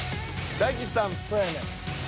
そやねん。